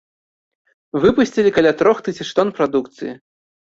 Выпусцілі каля трох тысяч тон прадукцыі.